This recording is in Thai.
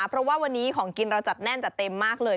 เพราะว่าวันนี้ของกินเราจัดแน่นจัดเต็มมากเลย